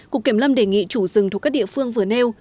cục kiểm lâm đề nghị chủ rừng thuộc các địa phương vừa nêu